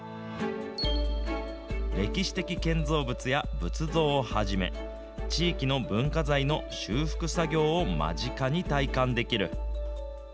歴史的建造物や仏像をはじめ、地域の文化財の修復作業を間近に体感できる。